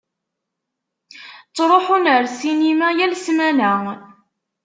Ttṛuḥun ar ssinima yal ssmana.